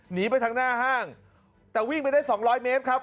หนีไปทางหน้าห้างแต่วิ่งไปได้สองร้อยเมตรครับ